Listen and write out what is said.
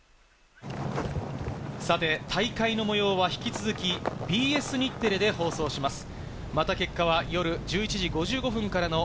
大会の模様は引き続きＢＳ日テレで放送します。